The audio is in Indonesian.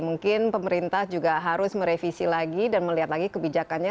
mungkin pemerintah juga harus merevisi lagi dan melihat lagi kebijakannya